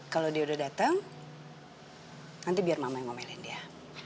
kalau dia udah datang nanti biar mama yang ngomelin dia